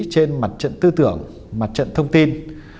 trên mặt trận tư tưởng mặt trận thông tin